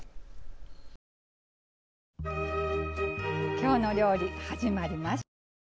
「きょうの料理」始まりました。